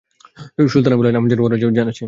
সুলতানা, বিলাল, আলামজান, ওরা আছে?